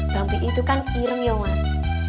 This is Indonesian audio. bang pih itu kan ireng mas